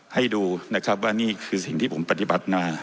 ให้ดูนะครับว่านี่คือสิ่งที่ผมปฏิบัติมา